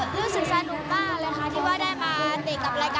ตอนหลังได้ตีเสมอให้ได้เท่ากับสองค่ะ